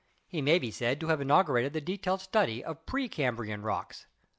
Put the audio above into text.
He may be said to have inaugurated the detailed study of Pre Cambrian rocks.